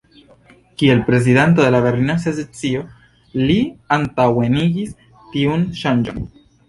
Kiel prezidanto de la "Berlina secesio" li antaŭenigis tiun ŝanĝon.